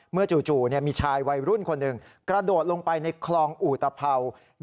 จู่มีชายวัยรุ่นคนหนึ่งกระโดดลงไปในคลองอุตภัวร์